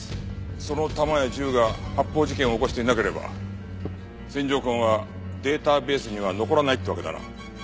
その弾や銃が発砲事件を起こしていなければ線条痕はデータベースには残らないってわけだな。